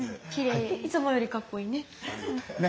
いつもよりかっこいいね。